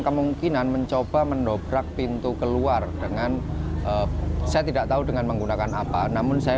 kemungkinan mencoba mendobrak pintu keluar dengan saya tidak tahu dengan menggunakan apa namun saya